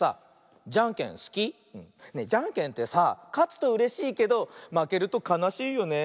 じゃんけんってさかつとうれしいけどまけるとかなしいよね。